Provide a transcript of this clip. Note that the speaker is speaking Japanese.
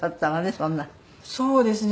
そうですね。